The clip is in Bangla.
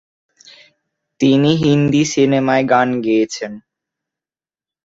তিনি হিন্দি সিনেমায় গান গেয়েছেন।